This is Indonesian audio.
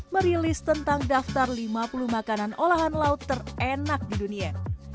merilis tentang daftar lima puluh makanan olahan laut terenak di dunia